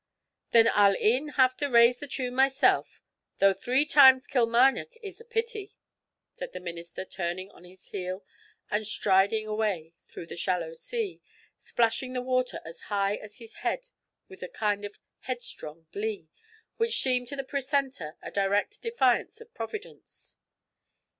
'Then I'll e'en have to raise the tune myself though three times "Kilmarneck" is a pity,' said the minister, turning on his heel and striding away through the shallow sea, splashing the water as high as his head with a kind of headstrong glee which seemed to the precentor a direct defiance of Providence.